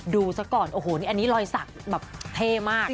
ดูสักก่อนโอ้โหอันนี้ลอยสักแบบเท่มาก